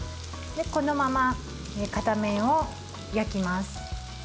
このまま片面を焼きます。